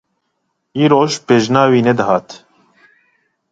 Îroj pêjina wî nedihat.